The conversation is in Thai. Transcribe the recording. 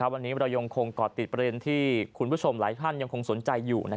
วันนี้เรายังคงก่อติดประเด็นที่คุณผู้ชมหลายท่านยังคงสนใจอยู่